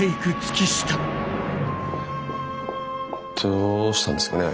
どうしたんですかね？